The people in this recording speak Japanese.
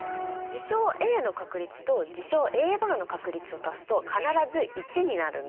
事象Ａの確率と事象Ａバーの確率を足すと必ず１になるんです。